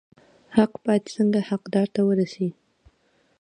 حق باید څنګه حقدار ته ورسي؟